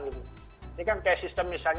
ini kan kayak sistem misalnya